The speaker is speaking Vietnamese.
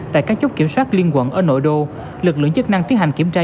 tại các chốt kiểm soát liên quận ở nội đô lực lượng chức năng tiến hành kiểm tra